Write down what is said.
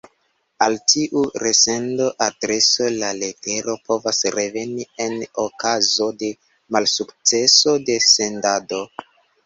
Al tiu resendo-adreso la letero povas reveni en okazo de malsukceso de sendado.